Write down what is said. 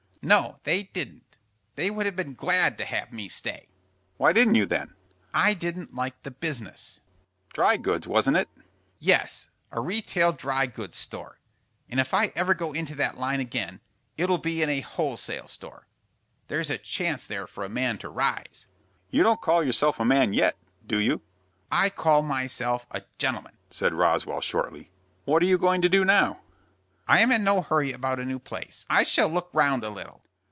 "No, they didn't. They would have been glad to have me stay." "Why didn't you then?" "I didn't like the business." "Dry goods, wasn't it?" "Yes, a retail dry goods store. If I ever go into that line again, it'll be in a wholesale store. There's a chance there for a man to rise." "You don't call yourself a man yet, do you?" "I call myself a gentleman," said Roswell, shortly. "What are you going to do now?" "I'm in no hurry about a new place. I shall look round a little."